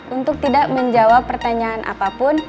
untuk tidak menjawab pertanyaan apapun